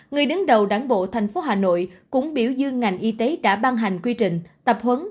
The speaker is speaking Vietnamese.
người đứng đầu đảng bộ thành phố hà nội cũng biểu dương ngành y tế đã ban hành quy trình tập huấn